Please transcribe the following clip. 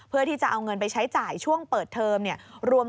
เพื่อที่จะเอาเงินไปใช้จ่ายช่วงเปิดเทอมเนี่ย